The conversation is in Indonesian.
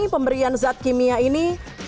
pemberian zat kimia ini